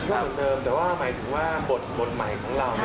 ก็เหมือนเดิมแต่ว่าหมายถึงว่าบทใหม่ของเรา